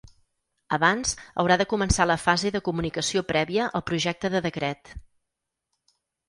Abans haurà de començar la fase de comunicació prèvia al projecte de decret.